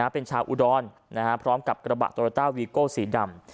เป็นชาวอุดรพร้อมกับกระบะโตโยต้าวีโก้สีดำ